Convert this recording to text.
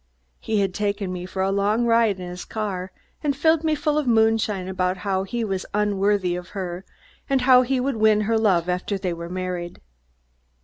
He had taken me for a long ride in his car and filled me full of moonshine about how he was unworthy of her and how he would win her love after they were married.